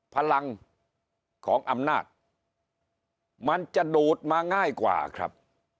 พลังของอำนาจมันจะดูดมาง่ายกว่าครับ